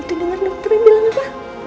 iya itu denger dokternya bilang apa